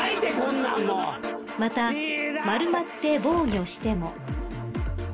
［また丸まって防御しても］